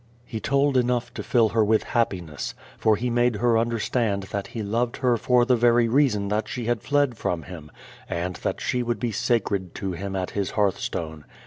He told enough to fill her with happiness, for he made her understand that he loved her for the very reason that she had fled from him, and that she would be sacred to him at his hearthstone.